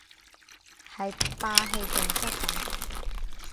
係霸氣盡失咁